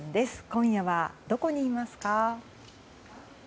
今夜はどこにいますか？